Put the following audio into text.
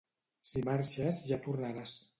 Si marxes ja tornaràs.